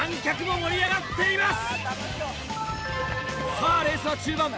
さぁレースは中盤！